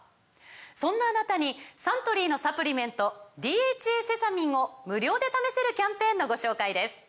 そんなあなたにサントリーのサプリメント「ＤＨＡセサミン」を無料で試せるキャンペーンのご紹介です